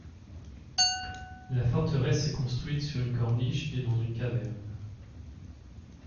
La forteresse est construite sur une corniche et dans une caverne.